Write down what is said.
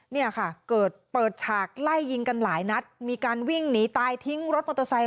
เนี่ยค่ะเกิดเปิดฉากไล่ยิงกันหลายนัดมีการวิ่งหนีตายทิ้งรถมอเตอร์ไซค